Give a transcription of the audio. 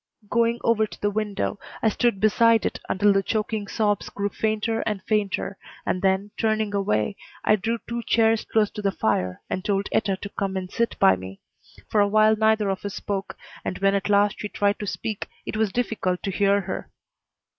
Going over to the window, I stood beside it until the choking sobs grew fainter and fainter, and then, turning away, I drew two chairs close to the fire and told Etta to come and sit by me. For a while neither of us spoke, and when at last she tried to speak it was difficult to hear her.